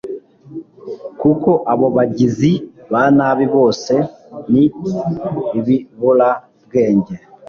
Koko abo bagizi ba nabi bose ni ibiburabwenge